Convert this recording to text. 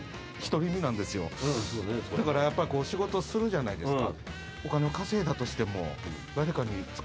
だからやっぱ仕事するじゃないですか。